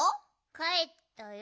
かえったよ。